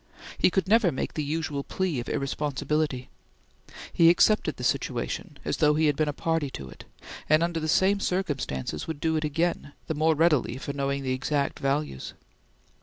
He could never make the usual plea of irresponsibility. He accepted the situation as though he had been a party to it, and under the same circumstances would do it again, the more readily for knowing the exact values.